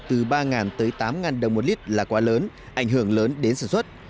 từ ba tới tám đồng một lít là quá lớn ảnh hưởng lớn đến sản xuất